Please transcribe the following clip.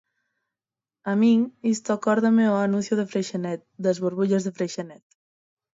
A min isto acórdame o anuncio de Freixenet, das burbullas de Freixenet.